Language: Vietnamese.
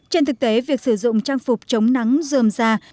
trên thực tế việc sử dụng trang phục chống nắng dườm già